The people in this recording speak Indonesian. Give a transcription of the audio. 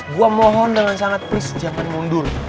gue mohon dengan sangat please siapa mundur